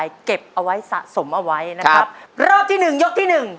เก็บเอาไว้สะสมเอาไว้นะครับรอบที่หนึ่งยกที่หนึ่ง